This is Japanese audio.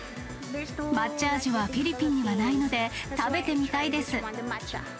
抹茶味はフィリピンにはないので、食べてみたいです。